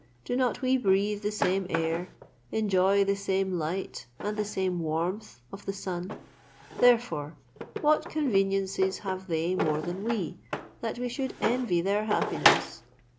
Do not we breathe the same air, enjoy the same light and the same warmth of the sun? Therefore what conveniences have they more than we, that we should envy their happiness?